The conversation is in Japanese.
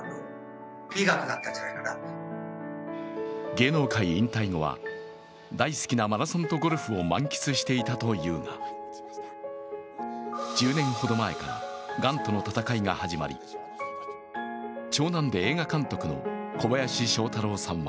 芸能界引退後は大好きなマラソンとゴルフを満喫していたというが１０年ほど前からがんとの闘いが始まり、長男で映画監督の小林聖太郎さんは